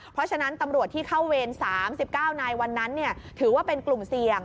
เพราะฉะนั้นตำรวจที่เข้าเวร๓๙นายวันนั้นถือว่าเป็นกลุ่มเสี่ยง